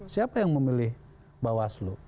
siapa yang memilih bawaslu